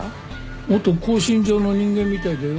元興信所の人間みたいだよ。